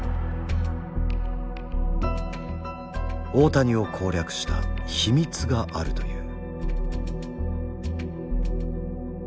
大谷を攻略した秘密があるという。